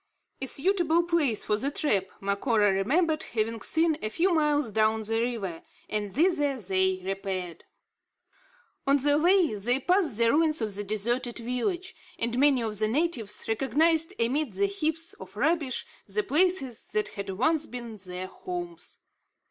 A suitable place for the trap, Macora remembered having seen, a few miles down the river; and thither they repaired. On the way, they passed the ruins of the deserted village, and many of the natives recognised amid the heaps of rubbish the places that had once been their homes.